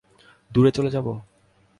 দূরে চলে যাব?